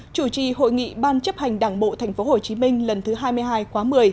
chủ trì hội nghị ban chấp hành đảng bộ tp hcm lần thứ hai mươi hai khóa một mươi